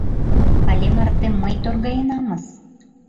Але марте мый торгаенамыс.